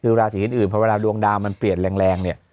คือราศิการอื่นเพราะเวลาดวงดาวมันเปรียดแรงเนี่ย